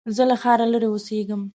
زه له ښاره لرې اوسېږم.